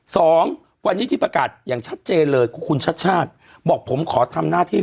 สองวันนี้ที่ประกาศอย่างชัดเจนเลยคุณชัดชาติบอกผมขอทำหน้าที่